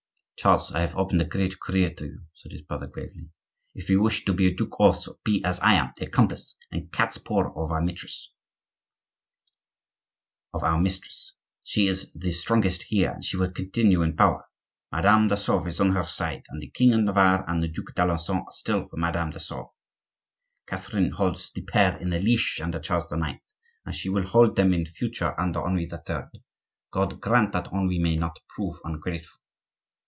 "Charles, I have opened a great career to you," said his brother gravely. "If you wish to be a duke also, be, as I am, the accomplice and cat's paw of our mistress; she is the strongest here, and she will continue in power. Madame de Sauves is on her side, and the king of Navarre and the Duc d'Alencon are still for Madame de Sauves. Catherine holds the pair in a leash under Charles IX., and she will hold them in future under Henri III. God grant that Henri may not prove ungrateful."